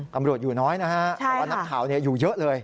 ตำรวจอยู่น้อยนะฮะแต่ว่านักข่าวอยู่เยอะเลย